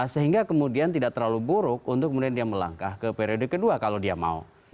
sehingga kemudian tidak terlalu buruk untuk kemudian dia melangkah ke periode kedua kalau dia mau